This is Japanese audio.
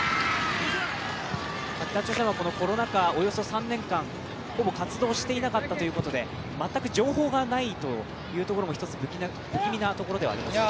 北朝鮮はコロナ禍およそ３年間、ほぼ活動していなかったということで全く情報がないというところも、一つ不気味なところではありますね。